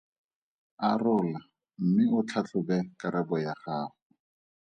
Arola mme o tlhatlhobe karabo ya gago.